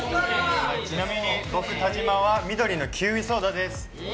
ちなみに僕、田島は緑のキウイソーダです。